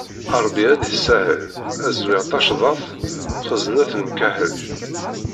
Ṛebbi ad isahel, ad zwiɣ tacḍaṭ xeznet lemkaḥel.